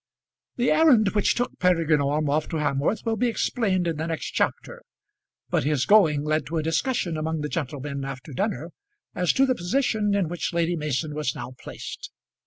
The errand which took Peregrine Orme off to Hamworth will be explained in the next chapter, but his going led to a discussion among the gentlemen after dinner as to the position in which Lady Mason was now placed.